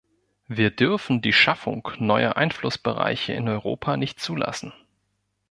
Wir dürfen die Schaffung neuer Einflussbereiche in Europa nicht zulassen.